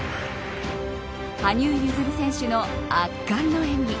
羽生結弦選手の圧巻の演技。